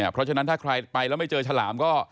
เพราะฉะนั้นถ้าใครไปแล้วไม่เจอฉลามก็